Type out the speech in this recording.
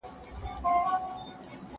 ولي انعطاف ګټور دی؟